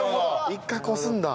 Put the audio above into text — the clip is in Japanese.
１回こすんだ。